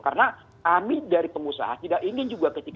karena kami dari pengusaha tidak ingin juga ketika